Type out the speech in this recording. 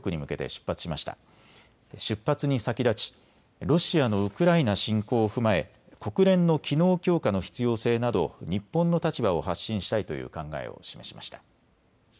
出発に先立ちロシアのウクライナ侵攻を踏まえ国連の機能強化の必要性など日本の立場を発信したいという考えを示しました。